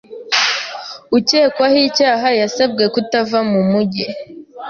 Ukekwaho icyaha yasabwe kutava mu mujyi.